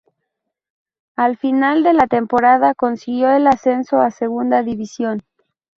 Al final de la temporada consiguió el ascenso a Segunda División.